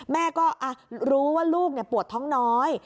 แม่ก็รู้ว่าลูกปวดท้องน้อย